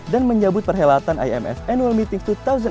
dan menjabut perhelatan ims annual meetings dua ribu delapan belas